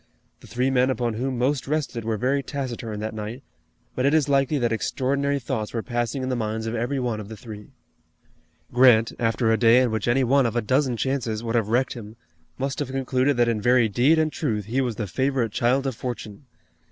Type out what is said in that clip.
The three men upon whom most rested were very taciturn that night, but it is likely that extraordinary thoughts were passing in the minds of every one of the three. Grant, after a day in which any one of a dozen chances would have wrecked him, must have concluded that in very deed and truth he was the favorite child of Fortune.